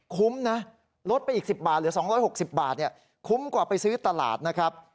คุ้มนะลดไปอีก๑๐บาทเหลือ๒๖๐บาทคุ้มกว่าไปซื้อตลาดนะครับ